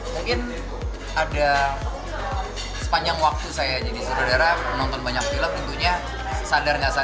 mungkin ada sepanjang waktu saya jadi saudara menonton banyak film tentunya sadar nggak saya